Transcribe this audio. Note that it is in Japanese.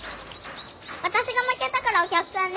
私が負けたからお客さんね。